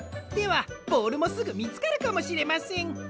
ではボールもすぐみつかるかもしれません。